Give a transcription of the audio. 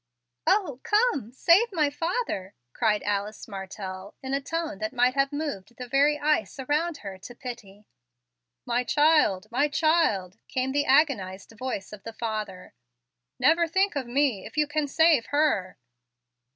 "Oh! come! save my father!" cried Alice Martell, in a tone that might have moved the very ice around her to pity. "My child, my child!" came the agonized voice of the father. "Never think of me, if you can save her."